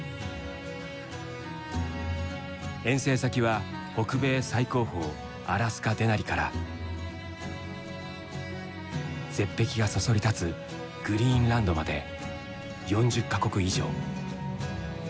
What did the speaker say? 遠征先は北米最高峰アラスカデナリから絶壁がそそり立つグリーンランドまで４０か国以上。